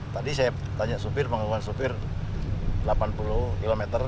tadi saya tanya sopir pengeluhan sopir delapan puluh km